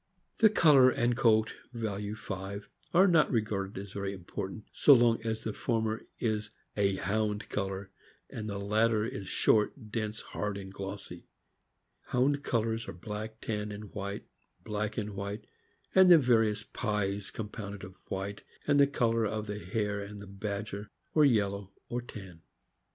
The color and coat (value 5) are not regarded as very important, so long as the former is a l ' Hound color " and the latter is short, dense, hard, and glossy. Hound colors are black, tan and white, black and white, and the various "pies" compounded of white and the color of the hare and badger, or yellow, or tan.